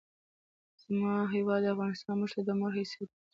زما هېواد افغانستان مونږ ته د مور حیثیت لري!